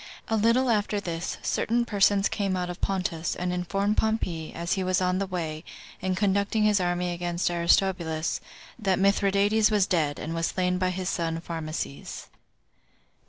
A little after this, certain persons came out of Pontus, and informed Pompey, as he was on the way, and conducting his army against Aristobulus, that Mithridates was dead, and was slain by his son Pharmaces.